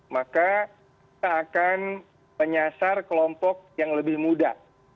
maka kita akan menyasar kelompok yang lebih muda